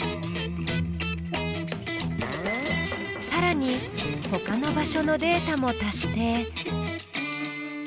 さらにほかの場所のデータも足して。